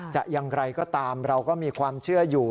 อย่างไรก็ตามเราก็มีความเชื่ออยู่